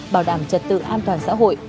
bảo đảm trật tự an toàn xã hội